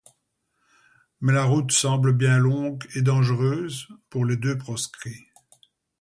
Mais la route semble bien longue et dangereuse pour les deux proscrits...